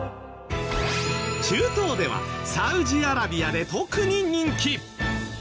中東ではサウジアラビアで特に人気！